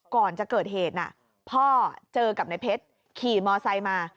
ก่อนจะเกิดเหตุพ่อเจอกับในเพชรขี่มอไซค์มา